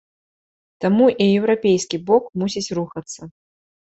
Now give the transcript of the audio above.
Таму і еўрапейскі бок мусіць рухацца.